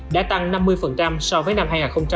đã tăng năm mươi so với năm hai nghìn hai mươi